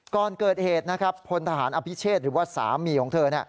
ก่อนเกิดเหตุนะครับพลทหารอภิเชษหรือว่าสามีของเธอ